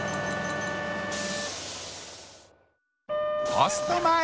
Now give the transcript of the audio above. ポストまえ！